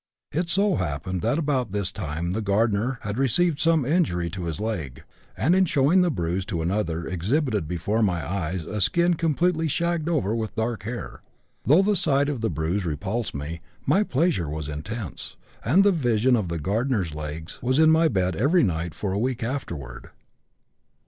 It so happened that about this time the gardener had received some injury to his leg, and in showing the bruise to another exhibited before my eyes a skin completely shagged over with dark hair. Though the sight of the bruise repulsed me, my pleasure was intense, and the vision of the gardener's legs was in my bed every night for a week afterward.